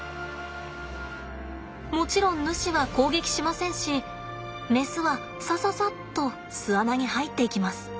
もちろんヌシは攻撃しませんしメスはさささっと巣穴に入っていきます。